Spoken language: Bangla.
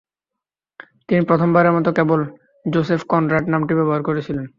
তিনি প্রথমবারের মত কেবল "জোসেফ কনরাড" নামটি ব্যবহার করেছিলেন।